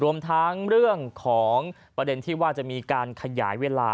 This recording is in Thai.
รวมทั้งเรื่องของประเด็นที่ว่าจะมีการขยายเวลา